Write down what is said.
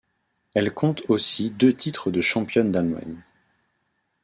Elle compte aussi deux titres de championne d'Allemagne.